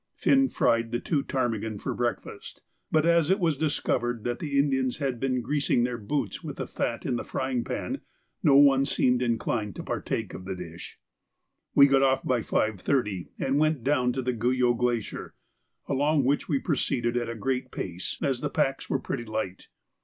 Finn fried the two ptarmigan for breakfast, but as it was discovered that the Indians had been greasing their boots with the fat in the frying pan, no one seemed inclined to partake of the dish. We got off by 5.30, and went down to the Guyot Glacier, along which we proceeded at a great pace as the packs were pretty light.